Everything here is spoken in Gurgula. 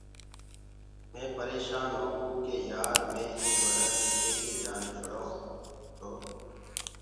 مي پريشآنٚ هوگو ڪي يآر مي ايٚرو ٻڙآ دي ڪيسي جآن ڇُڙآئونٚ تو